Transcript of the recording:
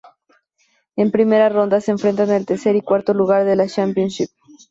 En primera ronda se enfrentan el tercer y cuarto lugar de la "Championship".